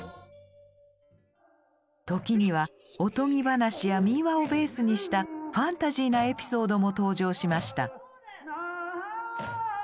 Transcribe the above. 時にはおとぎ話や民話をベースにしたファンタジーなエピソードも登場しました。